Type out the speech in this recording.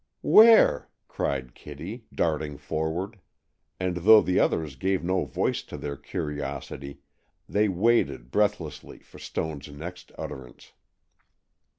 "Where?" cried Kitty, darting forward, and though the others gave no voice to their curiosity, they waited breathlessly for Stone's next utterance.